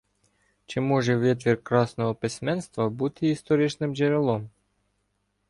Чи може витвір красного письменства бути історичним джерелом?